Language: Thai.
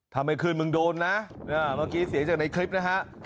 ถ้าไม่ขึ้นมึงโดนนะเมื่อกี้เสียงจากในคลิปนะฮะ